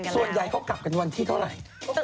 ส่วนใหญ่เขากลับกันวันที่เท่าไหร่